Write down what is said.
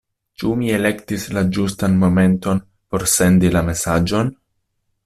Ĉu mi elektis la ĝustan momenton por sendi la mesaĝon?